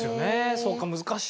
そっか難しいな。